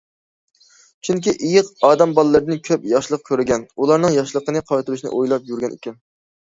چۈنكى ئېيىق ئادەم بالىلىرىدىن كۆپ ياخشىلىق كۆرگەن، ئۇلارنىڭ ياخشىلىقىنى قايتۇرۇشنى ئويلاپ يۈرگەن ئىكەن.